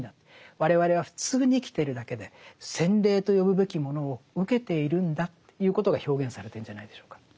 我々は普通に生きてるだけで洗礼と呼ぶべきものを受けているんだということが表現されてるんじゃないでしょうか。